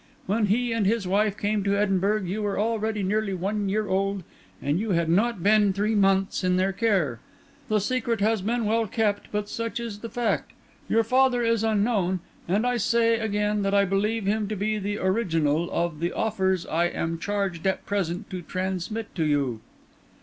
When he and his wife came to Edinburgh, you were already nearly one year old, and you had not yet been three months in their care. The secret has been well kept; but such is the fact. Your father is unknown, and I say again that I believe him to be the original of the offers I am charged at present to transmit to you."